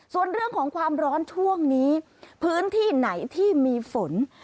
ส่วนเรื่องของความร้อนช่วงนี้พื้นที่ไหนที่มีฝน